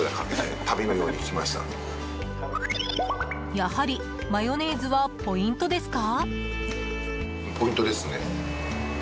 やはり、マヨネーズはポイントですか？